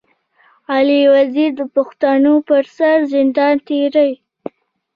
علي وزير د پښتنو پر سر زندان تېروي.